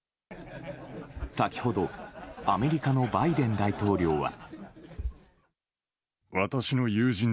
先ほどアメリカのバイデン大統領は。